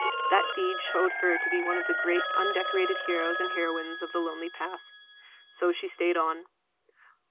That deed showed her to be one of the great undecorated heroes and heroines of the lonely path. So she stayed on.